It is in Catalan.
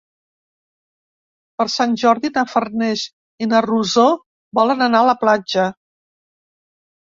Per Sant Jordi na Farners i na Rosó volen anar a la platja.